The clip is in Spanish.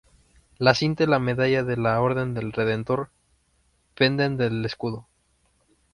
La cinta y la medalla de la Orden del Redentor penden del escudo.